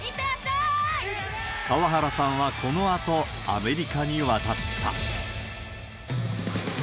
河原さんはこのあと、アメリカに渡った。